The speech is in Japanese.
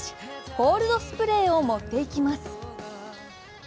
コールドスプレーを持っていきます。